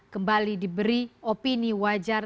kembali diberi opini wajar